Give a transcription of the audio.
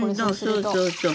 そうそうそう。